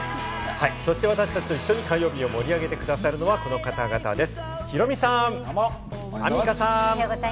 私たちと一緒に火曜日を盛り上げてくださるのは、この方々です。